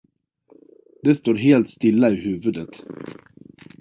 Det står helt stilla i huvudet.